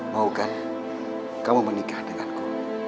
mau kan kamu menikah denganku